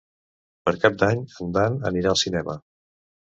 Per Cap d'Any en Dan anirà al cinema.